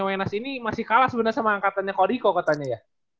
wenas ini masih kalah sebenarnya sama angkatannya koriko katanya ya